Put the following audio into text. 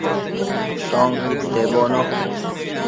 Shoquid sebono